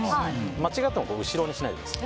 間違っても後ろにしないでください。